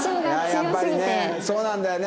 やっぱりねそうなんだよね。